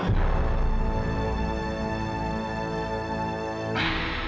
kamila diam kamila